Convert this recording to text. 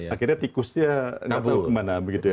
akhirnya tikusnya nggak tahu kemana